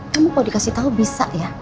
kamu kalau dikasih tahu bisa ya